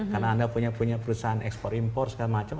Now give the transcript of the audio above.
karena anda punya perusahaan ekspor impor segala macam